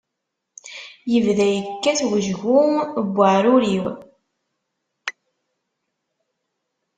Yebda yekkat wejgu n uɛrur-iw.